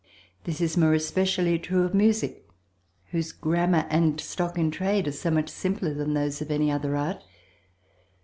This is more especially true of music, whose grammar and stock in trade are so much simpler than those of any other art.